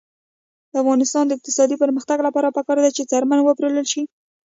د افغانستان د اقتصادي پرمختګ لپاره پکار ده چې څرمن وپلورل شي.